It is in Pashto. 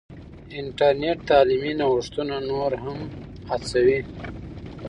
انټرنیټ تعلیمي نوښتونه نور هم هڅوي.